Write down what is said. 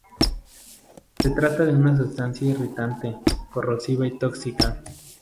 Se trata de una sustancia irritante, corrosiva y tóxica.